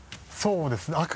そうですね